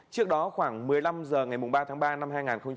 trước đó khoảng một mươi năm h ngày ba tháng ba năm hai nghìn hai mươi